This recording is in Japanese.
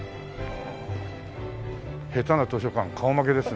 下手な図書館顔負けですね。